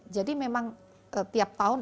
jadi memang tiap tahun